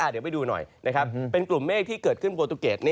เดี๋ยวไปดูหน่อยนะครับเป็นกลุ่มเมฆที่เกิดขึ้นโปรตูเกต